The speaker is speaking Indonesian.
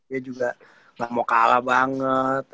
dia juga gak mau kalah banget